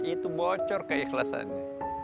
itu bocor keikhlasannya